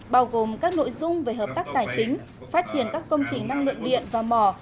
bao gồm các nội dung về hợp tác tài chính phát triển các công trình năng lượng điện và mỏ